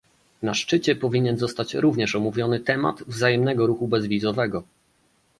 Na szczycie powinien zostać również omówiony temat wzajemnego ruchu bezwizowego